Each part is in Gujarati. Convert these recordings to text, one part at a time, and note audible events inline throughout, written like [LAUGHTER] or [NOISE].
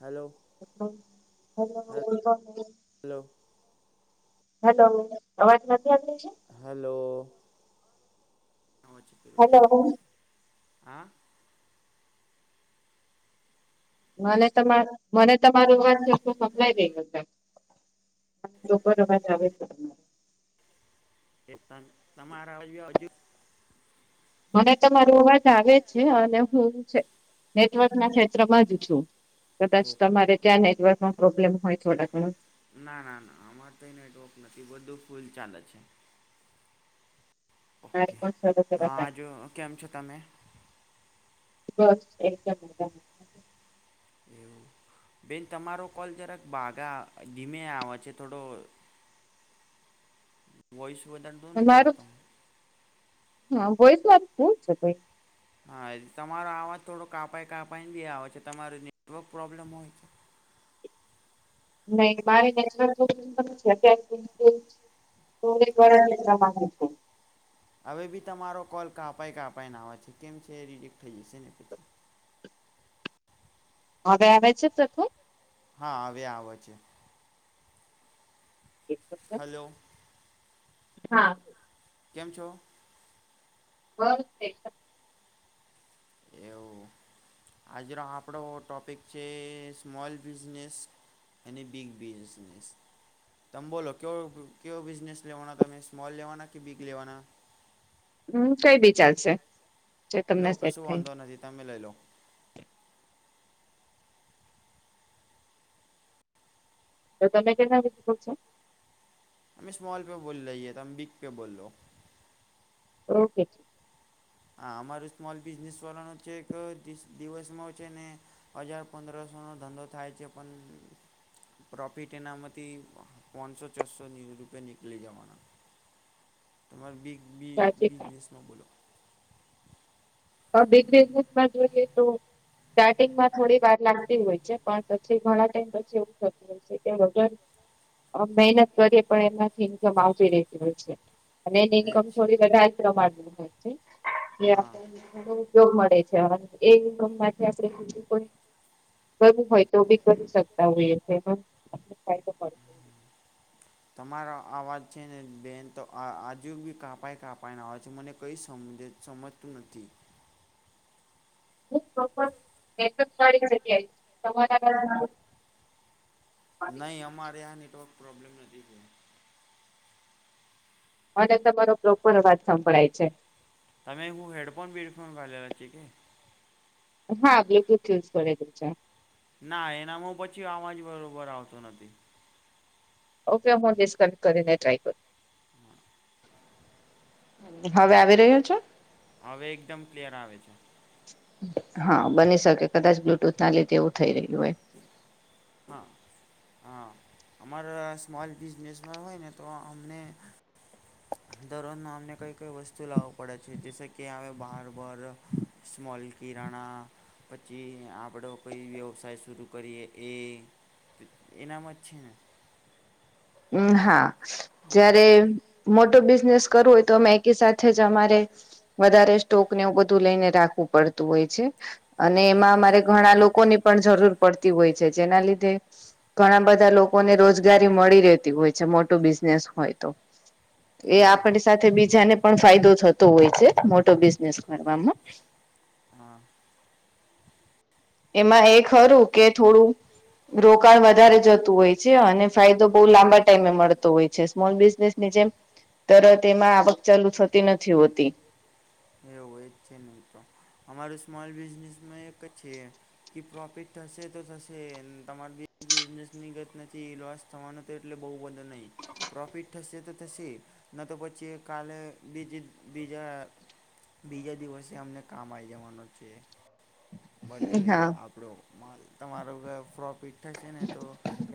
હાલો. [INAUDIBLE] હલો. હલો અવાજ નથી આપી છે. હેલો અવાજ કર્યા હા મને તમાર મને તમારું અવાજ ચોખુ સંભળાઈ નહી શકતાં. આ ચોપન અવાજ આવે છે. એ તમારા હજુ મને તો મારો અવાજ આવે છે અને હું નેટવર્ક ના ક્ષેત્રમાં જ છું. કદાચ તમારે ત્યાં નેટવર્કમાં પ્રોબ્લેમ હોય થોડાક ગણો ના ના ના અમાર તો એ નેટવર્ક નથી બધું ફૂલ ચાલે છે. ઓકે તો આ જો કેમ છો તમે બસ એક દમ મજા મા એવું બેન તમારો કોલ જરાક બાગા ધીમે આવે છે થોડો વોઈસ વધાર દોન રપેલો હતો. હા હોય કેમ કેમછે ભઈ હા એ તમારો આવાજ થોડો કાપાય કાપાઈ ને બી આવે છે તમાર નેટવર્ક પ્રોબ્લેમ હોય તો નહી મારે [UNINTELLIGIBLE] હું બી ભણાલે સમાન ઓછું હવે બી તમારો કોલ કાપાય કાપાયને આવે છે કેમ છે એ રિજેક્ટ થઈ જશે ને પછી હવે આવે છે તથું હા હવે આવ છે હા કેમ છો [UNINTELLIGIBLE] એવું આજનો આપણો ટોપિક છે સ્મોલ બિઝનેસ અનેની બિગ બિઝનેસ તમે બોલો કયો કયો બિઝનેસ લેવાના તમે સ્મોલ લેવાના કે બિગ લેવાના હમ્મ કઈ બી ચાલશે લો કશું વાંધો નથી તમે લઈ લો તો તમે કેના વિ છો હમે સ્મલ પે બોલ રહીએ તમે બિગ પે બોલિ લિયો હલ્લો હા અમાર સ્મોલ બિઝનેસ વાળાનો છે એક દિવસમાં છે ને હજાર પંદરસોનો ધંધો થાય છે પણ પ્રોફિટ એનામાંથી પાણસો છસો રૂપિયા નીકળી જવાના. તમાર બિગ બિઝનેસમાં બોલો. બિગ બિઝનેસમાં જોઈએ તો સ્ટાર્ટિંગમાં થોડી વાર લાગતી હોય છે પણ પછી ઘણા ટાઈમ પછી એવું થતું હોય છે કે વગર મહેનત કરીએ પણ એનાથી ઇન્કમ આવતી રેતી હોય છે. અને એની ઇન્કમ થોડી વધરે જ પ્રમાણની હોય છે જે આપણને ઉપયોગ મળે છે અને એ ઇન્કમમાંથી આપણે બીજું કંઈ કરવું હોય તો બી કરી શકતા હોઈએ એને ફાયદો પ તમારો અવાજ છે ને બેન તો આજુ બી કાપાઈ કાપાયને આવે છે મને કંઈ સમજે સમજ તું નથી. ખત બેવા જગ્યા તમારા [UNINTELLIGIBLE] નહીં અમારે આ નેટવર્ક પ્રોબ્લેમ નથી થઈ. અને તમારો પ્રોપર વાત સંભળાય છે. તમે હું હેડફોન બીડફોન ગાલે લછે કે હા બ્લુટૂથ યુઝ કરેલુ છે. ના એનામાં પછી આવાજ બરોબર આવતો નથી. ઓકે હું ડિસકનેક્ટ કરીને ટ્રાય કરું. [INAUDIBLE] હવે આવી રહ્યો છે. હવે એકદમ ક્લિયર આવે છે. હા બની શકે કદાચ બ્લુટૂથ ના લીધે એવું થઈ રહ્યું હોય. હા. હા અમાર સ્મોલ બિઝનેસમાં હોયને તો અમને દરરોજ અમને કઈ કઈ વસ્તુ લાવું પડે છે જેસે કે આવે બાર બર સ્મોલ કીરાણા પછી આપડો કઈ વ્યવસાય શરૂ કરીએ એ તો એનામ જ છે ને હમ્મ હા જ્યારે મોટો બિઝનેસ કરવો હોય તો અમે એકી સાથે જ અમારે વધારે સ્ટોક ને એવું બધું લઈને રાખ વુ પડતું હોય છે, અને એમાં અમારે ઘણા લોકોની પણ જરૂર પડતી હોય છે જેના લીધે ઘણા બધા લોકોને રોજગારી મળી રહે હોય છે મોટું બિઝનેસ હોય તો, એ આપ સાથે બીજાને પણ ફાયદો થતો હોય છે મોટો બિઝનેસ કરવામાં. હા. એમાં એક ખરું કે થોડું રોકાણ વધારે જતું હોય છે, અને ફાયદો બહુ લાંબા ટાઈમે મળતો હોય છે સ્મોલ બિઝનેસ ની જેમ, તરત એમાં આવક ચાલુ થતી નથી હોતી. એવું એ જ છે નહીં તો, અમાર સ્મોલ બિઝનેસમાં એક છે. કે પ્રોફિટ થશે તો થશે તમારી બિઝનેસ ની ગત નથી લોસ થવાનું તો એટલે બહુ બધુ નહીં. પ્રોફિટ થશે તો થશે ન તો પછી કાલે બીજ બીજા બીજા દિવસે અમને કામ આવી જવાનું છે. બધું એ આપણો માલ તમારો પ્રોફિટ થશે ને તો,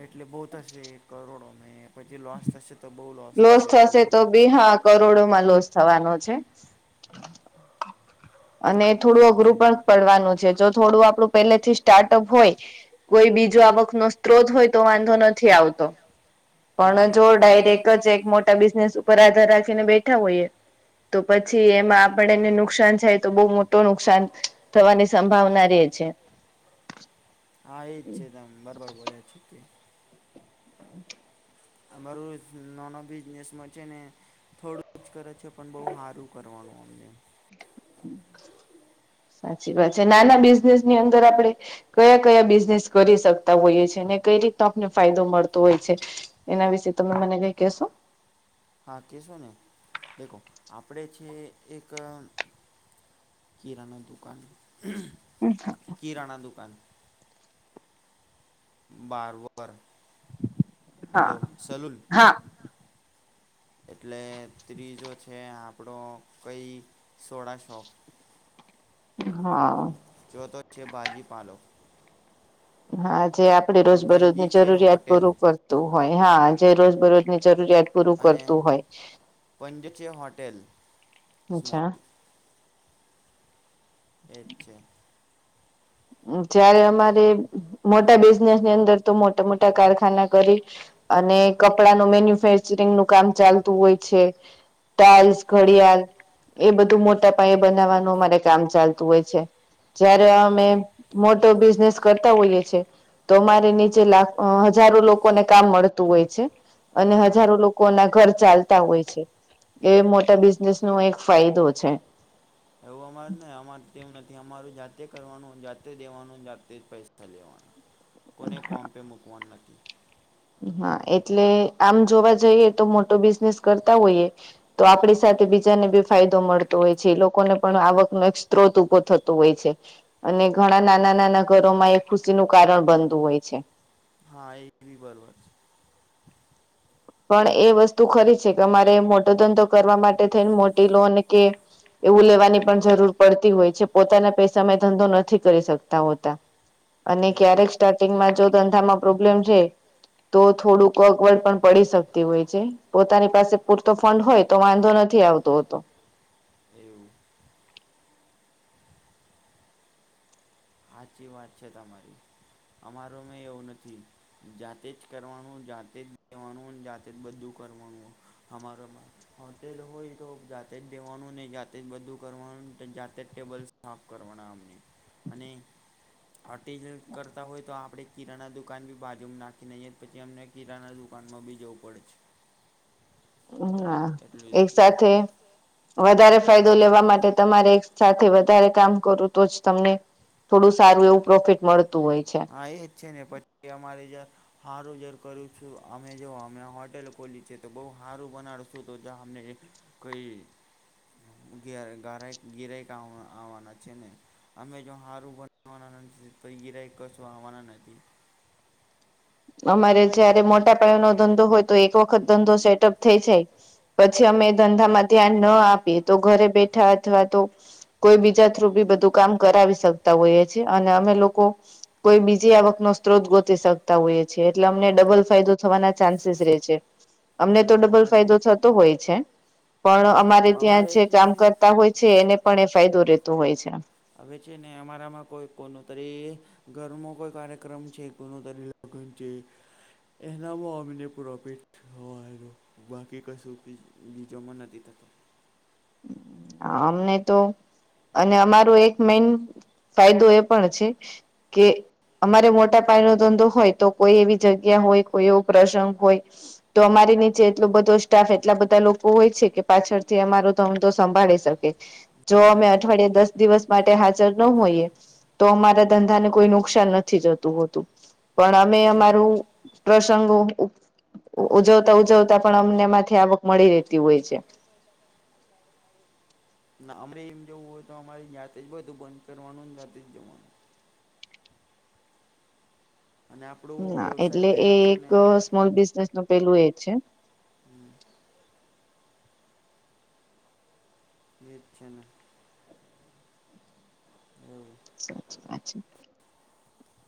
એટલે બહુ થશે. કરોડો ને પછી લોસ થશે તો બહું લોસ થ લોસ થશે તો બી હા કરોડોમાં લોસ થવાનો છે. અને થોડું અઘરું પણ પડવાનું છે જો થોડું આપડું પેલેથી સ્ટાર્ટઅપ હોય, કોઈ બીજો આવક ન ક્રોજ હોય તો વાંધો નથી આવતો. પણ જો ડાયરેક્ટ જ એક મોટા બિઝનેસ ઉપર આધાર રાખીને બેઠા હોઈએ. તો પછી એમાં આપડને નુકસાન થાય તો બહુ મોટો નુકસાન થવાની સંભાવના રહેે છે. હા એ જ છે તમે બરાબર બોલ્યા છ તે. અમાર નાનો બિઝનેસમાં છે ને. થોડું જ કરે છે પણ બઉુ સારું કરવાનું અમને. [INAUDIBLE] સાચી વાત છે નાના બિઝનેસ ની અંદર આપડે કયા કયા બિઝનેસ કરી શકતા હોઈએ છ છેએ ને કઈ રીતનો આપને ફાયદો મળતો હોય છે? એના વિશે તમે મને કઈ કશો? હા કેશો ને, દેખો આપણે છે એક કિરાના દુકાન. હછા. કિરાણા દુકાન. બારબર, હલો સલલ. એટલે ત્રીજો છે આપણો કંઈ સોડા શોપ. હા. ચોથો છે બાજી પાલો. હા જે આપડે રોજબરોજની જરૂરિયાત પૂરું પડ હોય હા જે રોજ બરોજની જરૂરિયાત પૂરું કરતું હોય, અચ્છા. એ જ છે. જયારે અમારે મોટા બિઝનેસની અંદર તો મોટા મોટા કારખાના કરી. અને કપડાનું મેન્યુફેક્ચરિંગ નું કામ ચાલતું હોય છે. ટાયલ્સ ઘડિયાલ. એ બધું મોટા પાયે બનાવવાનું, અમારે કામ ચાલતું હોય છે, જયારે અમે મોટો બિઝનેસ કરતા હોઈએ છે. તો અમારે નીચે લાખ હજારો લોકોને કામ મળતું હોય છે. અને હજારો લોકો ના ઘર ચાલતા હોય છે, એ મો બિઝનેસ નો એક ફાયદો છે. એવું અમાર ને, અમાર તેવું નથી અમારું જાતે કરવાનું, જાતે દેવાનું જાતે જ પૈસા લેવાનું. કોને કોમ્પે મૂકવાનું નથી. હા, એટલે આમ જોવા જઈએ તો, મોટો બિઝનેસ કરતા હોઈએ. તો આપડી સાથે બીજાને બી ફાયદો મળતો હોય છે. એ લોકોને પણ આવકનો એક સ્ત્રોત ઉભો થતો હોય છે. અને ઘણા નાના નાના ઘરોમાં એ ખુશીનું કારણ બનતું હોય છે. હા, એ બી બરોબર. પણ એ વસ્તુ ખરી છે કે અમારે મોટો ધંધો કરવા માટે થઈને મોટી લોન કે એવું લેવાની પણ જરૂર પડતી હોય છે. પોતાના પૈસામાં ધંધો નથી કરી શકતા હોતા. હ. અને ક્યારેક સ્ટાર્ટિંગમાં જો ધંધામાં પ્રોબ્લેમ છે, તો થોડુંક અગવડ પણ પડી શકતી હોય છે. પોતાની પાસે પૂરતો ફંડ હોય, તો વાંધો નથી આવતો હોતો. સાચી વાત છે. તમારી અમારું મેં એવું નથી. જાતે જ કરવાનું, જાતે જ દેવાનું, જાતે જ બધું કરવાનું હો અમારા હોટેલ હોય તો જાતે જ દેવાનું ને, જાતે જ બધું કરવાનું જાતે જ ટેબલ માફ કરવાના અમને અને આટિ કરતા હોય, તો આપણેે કીરાના દુકાન બી બાજુમાં નાખીનેએ પછી અમને હીરાના દુકાનમાં બી જવું પડે છે. હમ, એક સાથે. વધારે ફાયદો લેવા માટે, તમારે એક સાથે વધારે કામ કરું તો જ તમને. થોડું સારું એવું, પ્રોફિટ મળતું હોય છે. હા, એ જ છે ને, પછી અમારે જ. હારું જર કરું છું, અમે જો અમે હોટેલ ખોલી છે, તો બહુ સારું બનાવીશું તો, અને કઈ ગિરાયક આવવાના છે ને. અમે જો હારું બનાવાના નથી તો, ગિરાઈ કશું આવવાના નથી. અમારે જયારે મોટાપાયાનો ધંધો હોય તો, એક વખત ધંધો સેટઅપ થઈ જાય. પછી અમે ધંધામાં ધ્યાન ન આપીએ, તો ઘરે બેઠા અથવા તો કોઈ બીજા થ્રુ બી બધું કામ કરાવી શકતા હોઈએ છે, એ અને અમે લોકો. કોઈ બીજી આવક નો સ્ત્રોત ગોતી શકતા હોય. એટલે અમને ડબલ ફાયદો થવાના ચાન્સીસ રે છે. અમને તો ડબલ ફાયદો થતો હોય છે. પણ અમારે ત્યાં જે કામ કરતા હોય છે, એને પણ એ ફાયદો રહેેતો હોય છે. હવે છે ને, અમારામાં કોઈ કોનુંતરી ઘરમાં કોઈ કાર્યક્રમ છે, કો તરીન છે. એનામાં અમને પ્રોફિટ હોય, બાકી કશું બીજોમાં નથી થતો. અમને તો. અને અમારો એક મેન ફાયદો એ પણ છે કે. અમારે મોટાપાયા નો ધંધો હોય તો, કોઈ એવી જગ્યા હોય, કોઈ એવો પ્રસંગ હોય. તો અમારી નીચે એટલો બધો સ્ટાફ એટલા બધા લોકો હોય છે કે, પાછળથી અમારો. તો સંભાળી શકે, જો અમે અઠવાડિયે દસ દિવસ માટે હાજર ન હોઈએ. તો અમારા ધંધાને કોઈ નુકસાન નથી જતું હોતું, પણ અમે અમારું. પ્રસંગો ઉ ઉજવતા ઉજવતા પણ અમને એમાંથી આવક મળી રહેતી હોય છે. ના અમરે એમ જવું હોય તો અમારી જાતે જ બધું બંધ કરવાનું ને જાતે જ જવાનું. ના એટલે એ એક સ્મોલ બિઝનેસ નું પેલું એજ છે. હમ. ઈજ છે ને. એવું. સાચી વાત છે.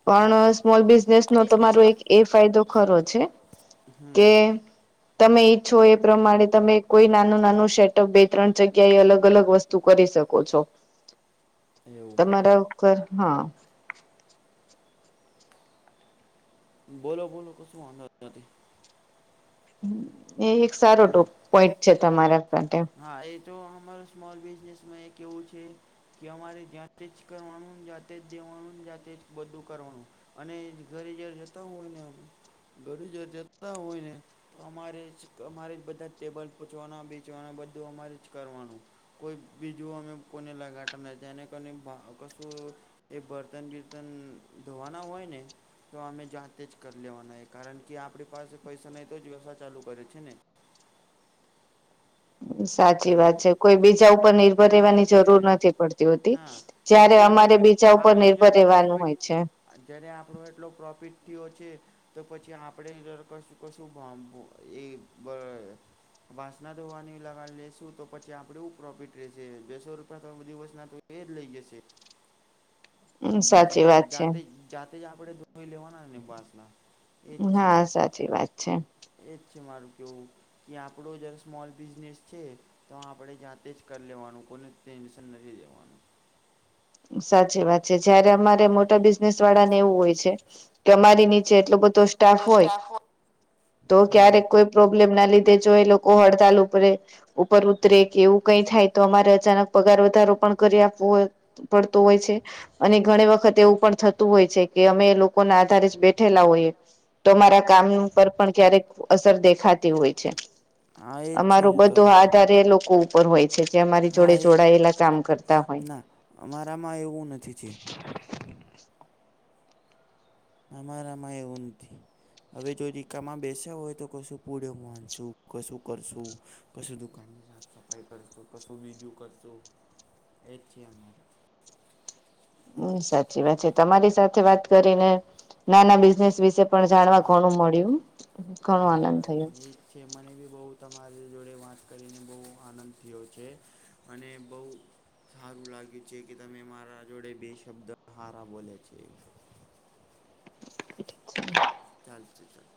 પણ સ્મોલ બિઝનેસ નો તમારો એક એ ફાયદો ખરો છે કે તમે ઈચ્છો એ પ્રમાણે તમે કોઈ નાનું નાનું સેટઅપ બે ત્રણ જગ્યા એ અલગ અલગ વસ્તુ તું કરી શકો છો. [UNINTELLIGIBLE] તમારા ઉપર હા. બોલો બોલો કશું વાંધો નથી. એ એક સારો ટો પોઈન્ટ છે તમારા માટે હા એ તો અમારા સ્મોલ બિઝનેસમાં એ કેવું છે. કે અમારે જાતે જ કરવાનું જાતે જ દેવાનું ને જાતે જ બધું કરવાનું અને ઘરે જર જતા હો હોય ને એમ. ઘરે જો જતા હોય ને તો અમારે અમારે બધા ટેબલ પહોંચવાના બી તયા બધું અમારે જ કરવાનું. કોઈ બીજું અમે કોને લગાતા નથી એને કને કશું. એ બર્તન બિર્તન ધોવાના હોય ને. તો અમે જાતે જ કરી લેવાના હે કારણ આપણી પાસે પૈસા નહી તો જ વ્યવસાય ચાલુ કરે છે ને. સાચી વાત છે કોઈ બીજા ઉપર નિર્ભર રહેેવાની જરૂર નથી પડતી હોતી જ્યારે અમારે બીજા ઉપર નિર્ભર રહેવાનું હોય છે. જ્યારે આપણો એટલો પ્રોફિટ થી ઓછી તો પછી આપણેંદર કશું કશું એ. વાસના ધોવાની લગા લે. શું તો પછી આપડે એવું પ્રોફિટ રશે બેસો રૂપિયા તો દિવસ ના એ જ લઇ જશે. પછી જા જાતે જાતે જ આપણે ધોઈ લેવા નાને બાસના ના સાચી વાત છે. એજ છે મારું કેવું કે આપણો જે સ્મોલ બિઝનેસ છે. તો આપણે જાતે જ કરી લેવાનું કોઈને ટેન્શન નહીં લેવાનું સાચી વાત છે જયારે અમારે મોટા બિ બિજનેસ વાળા ને એવું હોય છે કે અમારી નીચે એટલો બધો સ્ટાફ હોય તો ક્યારેક કોઈ પ્રોબ્લેમ ના લીધે જો એ લોકો હડતાલ ઉપરે ઉપર ઉતરે કે એવું કઈ થાય તો અમારે અચાનક પગાર વધારો પણ કરી આપવો હોય. પડતો હોય છે અને ઘણી વખત એવું પણ થતું હોય છે. કે અમે લોકો ના આધારે જ બેઠેલા હોઈએ તો અમારા કામ નુ ઉપર પણ ક્યારેક અસર દેખાતી હોય છે અમારું બધું આધારે લોકો ઉપર હોય છે જે અમારી જોડે જોડાયેલા કામ કરતા હોય અમારામાં એવું નથી છે. અમારામાં એવું નથી. હવે જો રીકામાં બેસ્યા હોય તો કશું પુડયો વાંધશું કશું કરશું કશું દુકાનની સા સફાઈ કરશું કશુ બીજું કરશું એજ છે અમારે હમ સાચી વાત છે તમારી સાથે વાત કરીને નાના બિઝનેસ વિશે પણ જાણવા ઘણું મળ્યું ઘણું આનંદ થયો છે મને બી બહુ તમારી જોડે વાત કરીને બહુ આનંદ થયો છે. અને બહુ સારું લાગ્યું છે કે તમે મારા જોડે બે શબ્દ સારા બોલે છે એ [UNINTELLIGIBLE] ચાલશે ચાલ